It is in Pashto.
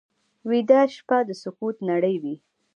ویده شپه د سکوت نړۍ وي